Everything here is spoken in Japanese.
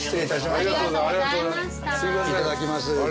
ありがとうございます。